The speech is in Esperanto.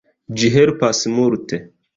Ĝi helpas multe.